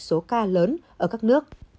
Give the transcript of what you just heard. số ca lớn ở các nước